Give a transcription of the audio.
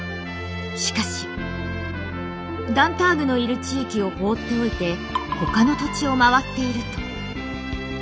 しかしダンターグのいる地域を放っておいて他の土地を回っていると。